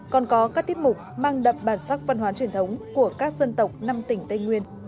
còn có các tiết mục mang đậm bản sắc văn hóa truyền thống của các dân tộc năm tỉnh tây nguyên